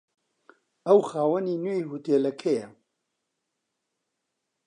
ئەو خاوەنی نوێی هۆتێلەکەیە.